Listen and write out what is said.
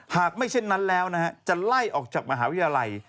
หากไม่เช่นนั้นแล้วจะไล่ออกจากมหาวิทยาลัย